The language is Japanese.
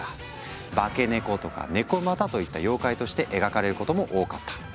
化け猫とか猫又といった妖怪として描かれることも多かった。